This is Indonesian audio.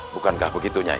bukankah begitu nyai